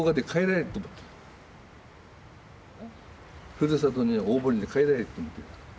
ふるさとに大堀に帰られると思ってた。